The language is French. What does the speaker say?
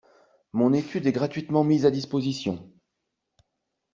Mon étude est gratuitement mise à disposition.